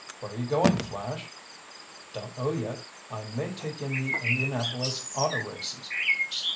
"Where are you going, Flash?" "Don't know yet. I may take in the Indianapolis auto races."